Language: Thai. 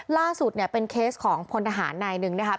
ล่าสุดเป็นเคสของพลทหารในหนึ่งนะครับ